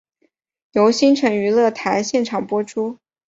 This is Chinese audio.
由新城娱乐台现场播出。